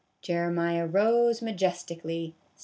" Jeremiah rose majestically.